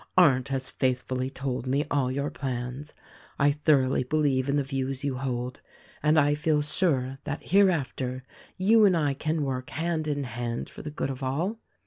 Arndt has faithfully told me all your plans; I thoroughly believe in the views you hold, and I feel sure that hereafter you and I can work hand in hand for the good of all.